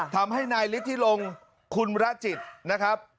ทำให้นายฤทธิลงคุณระจิตนะครับ